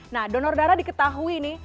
nah donor darah diketahui nih